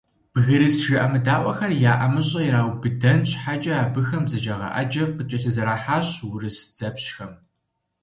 «Бгырыс жыӀэмыдаӀуэхэр» я ӀэмыщӀэ ираубыдэн щхьэкӀэ, абыхэм бзаджагъэ Ӏэджэ къыкӀэлъызэрахьащ урыс дзэпщхэм.